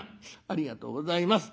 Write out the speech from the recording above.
「ありがとうございます。